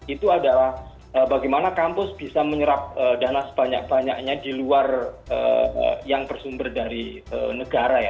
itu adalah bagaimana kampus bisa menyerap dana sebanyak banyaknya di luar yang bersumber dari negara ya